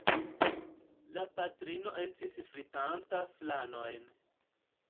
La patrino estis fritanta flanojn.